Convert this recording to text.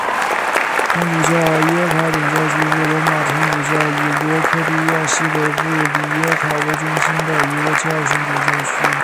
天主教里耶卡总教区是罗马天主教以克罗地亚西北部里耶卡为中心的一个教省总教区。